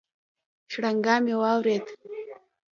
شرنگا مې واورېد.